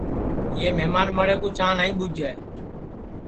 یہ مھمان مڑے کُو چاں نائی ٻوجھے